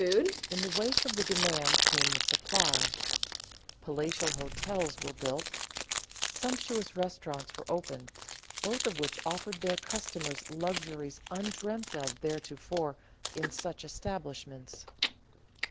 In the wake of the demand came the supply. Palatial hotels were built, sumptuous restaurants were opened, both of which offered their customers luxuries undreamt of theretofore in such establishments.